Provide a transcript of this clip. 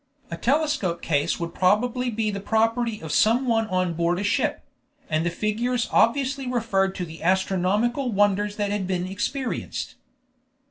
A telescope case would probably be the property of some one on board a ship; and the figures obviously referred to the astronomical wonders that had been experienced.